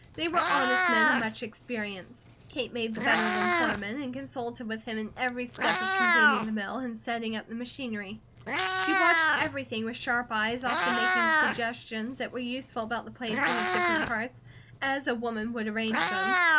They were honest men of much experience. Kate made the better of them foreman, and consulted with him in every step of completing the mill, and setting up the machinery. She watched everything with sharp eyes, often making suggestions that were useful about the placing of different parts as a woman would arrange them.